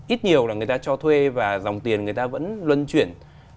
ít nhiều là người ta cho thuê và dòng tiền người ta vẫn luân chuyển